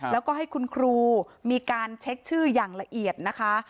แล้วก็ให้คุณครูมีการเช็คชื่ออย่างละเอียดนะคะ